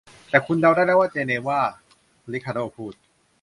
แต่คุณเดาได้แล้วว่า 'เจนีวา' ริคาร์โด้พูด